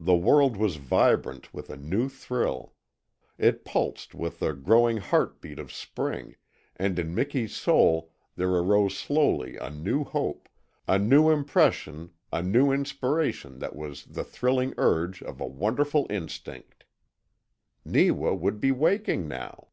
The world was vibrant with a new thrill. It pulsed with the growing heart beat of spring, and in Miki's soul there arose slowly a new hope, a new impression a new inspiration that was the thrilling urge of a wonderful instinct. NEEWA WOULD BE WAKING NOW!